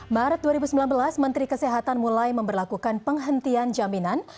maret dua ribu sembilan belas menteri kesehatan mulai memperlakukan penghentian jaminan